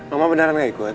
mama beneran nggak ikut